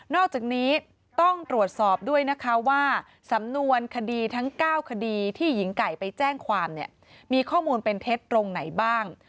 อกจากนี้ต้องตรวจสอบด้วยนะคะว่าสำนวนคดีทั้ง๙คดีที่หญิงไก่ไปแจ้งความเนี่ยมีข้อมูลเป็นเท็จตรงไหนบ้าง